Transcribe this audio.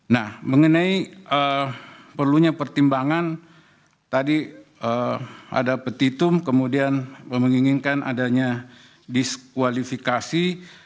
nah mengenai perlunya pertimbangan tadi ada petitum kemudian menginginkan adanya diskualifikasi